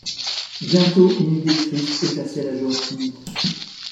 Bientôt une idée triste effaçait la joie timide.